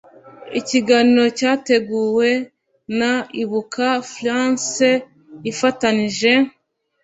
ikiganiro cyateguwe na ibuka france ifatanyije